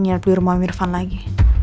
nyet di rumah mirvan lagi